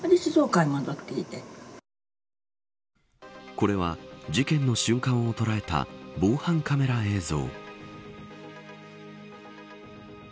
これは、事件の瞬間を捉えた防犯カメラ映像。